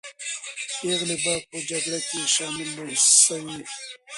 پېغلې به په جګړه کې شاملې سوې وي.